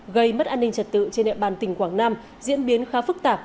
gây mất an ninh trật tự trên địa bàn tỉnh quảng nam diễn biến khá phức tạp